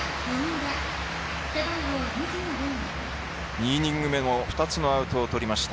２イニング目も２つのアウトをとりました